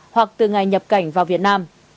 hoặc từ ngày nhập cảnh vào việt nam